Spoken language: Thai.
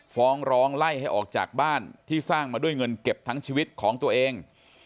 ฟ้องร้องไล่ให้ออกจากบ้านที่สร้างมาด้วยเงินเก็บทั้งชีวิตของตัวเอง